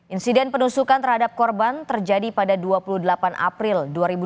insiden penusukan terhadap korban terjadi pada dua puluh delapan april dua ribu dua puluh